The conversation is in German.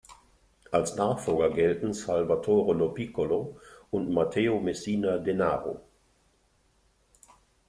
Als Nachfolger gelten Salvatore Lo Piccolo und Matteo Messina Denaro.